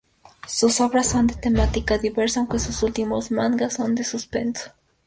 Sus obras son de temática diversa, aunque sus últimos mangas son de Suspenso.